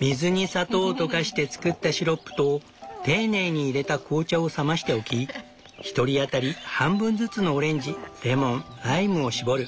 水に砂糖を溶かして作ったシロップと丁寧に入れた紅茶を冷ましておき１人当たり半分ずつのオレンジレモンライムを搾る。